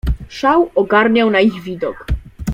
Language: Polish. "Szał ogarniał na ich widok."